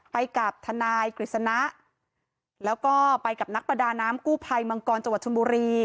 ไปกับทนายกฤษณะแล้วก็ไปกับนักประดาน้ำกู้ภัยมังกรจังหวัดชนบุรี